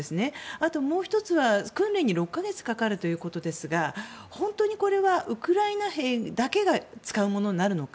あともう１つは、訓練に６か月かかるということですが本当にこれはウクライナ兵だけが使うものになるのか。